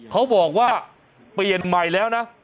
เขาบอกว่าเปลี่ยนใหม่แล้วนะ